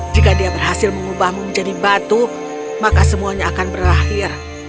jika dia berhasil mengubahmu menjadi batu maka semuanya akan berakhir